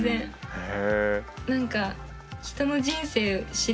へえ。